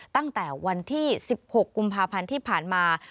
ตั้งแต่วันที่๑๖กุมภาพันธ์ที่ผ่านมา